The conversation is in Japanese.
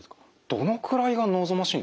どのくらいが望ましいんですか？